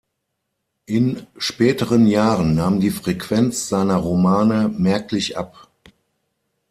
In späteren Jahren nahm die Frequenz seiner Romane merklich ab.